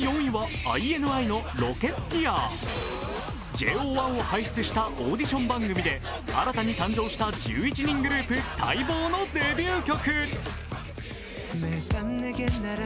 ＪＯ１を輩出したオーディション番組で、新たに誕生した１１人グループ待望のデビュー曲。